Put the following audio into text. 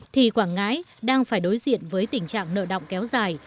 thì quảng ngãi đang phải đối diện với tình trạng nợ động kéo dài